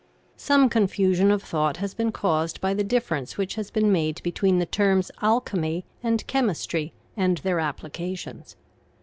Some confusion of thought has been caused by the difference which has been made between the terms alchemy and chemistry and their applications.